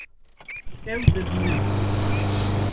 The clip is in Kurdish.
Ew dibînin